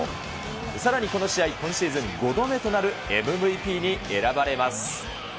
さらにこの試合、今シーズン５度目となるＭＶＰに選ばれます。